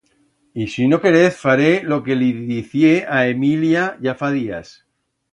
Y si no querez, faré lo que li dicié a Emilia ya fa días.